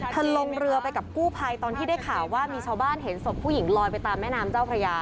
ลงเรือไปกับกู้ภัยตอนที่ได้ข่าวว่ามีชาวบ้านเห็นศพผู้หญิงลอยไปตามแม่น้ำเจ้าพระยา